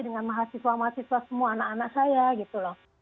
dengan mahasiswa mahasiswa semua anak anak saya gitu loh